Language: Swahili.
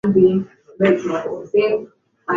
violett alitoroka kwa boti ya kuokolea